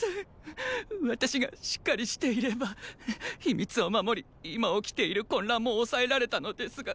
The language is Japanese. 私がしっかりしていれば秘密を守り今起きている混乱も抑えられたのですが。